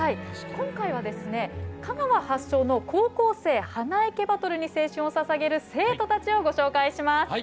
今回は香川発祥の高校生花いけバトルに青春をささげる生徒たちをご紹介します。